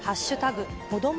こども